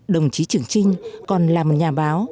đồng chí trường trinh còn là một nhà báo